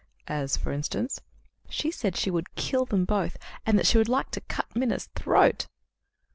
"As, for instance ?" "She said that she would kill them both, and that she would like to cut Minna's throat."